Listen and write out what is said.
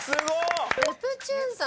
ネプチューンさん